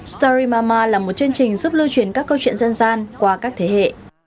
story mama là một chương trình giúp lưu truyền các câu chuyện dân gian qua các thế hệ